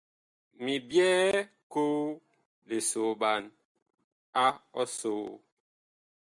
Mi byɛɛ koo lisoɓan a ɔsoo.